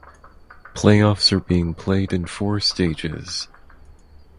Playoffs are being played in four stages.